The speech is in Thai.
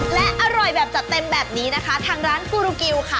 และอร่อยแบบจัดเต็มแบบนี้นะคะทางร้านฟูรูกิวค่ะ